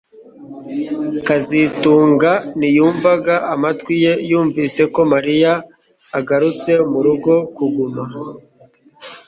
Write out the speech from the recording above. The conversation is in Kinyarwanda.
kazitunga ntiyumvaga amatwi ye yumvise ko Mariya agarutse murugo kuguma